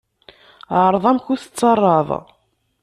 Ԑreḍ amek ur tettarraḍ.